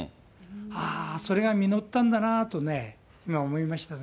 あー、それが実ったんだなあと今、思いましたね。